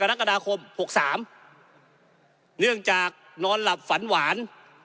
กรกฎาคม๖๓เนื่องจากนอนหลับฝันหวาน